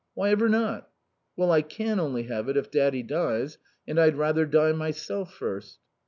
"Why ever not?" "Well, I can only have it if Daddy dies, and I'd rather die myself first."